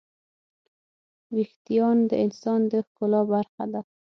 وېښتيان د انسان د ښکلا برخه ده.